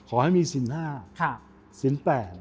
ขอให้มีสิน๕